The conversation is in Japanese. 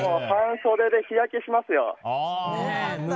半袖で日焼けしますよ。